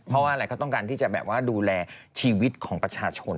เพราะว่าอะไรเขาต้องการที่จะแบบว่าดูแลชีวิตของประชาชน